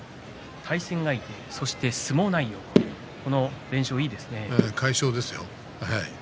対戦相手そして相撲内容快勝ですよ。